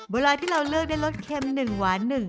เวลาที่เราเลือกได้รสเค็ม๑หวาน๑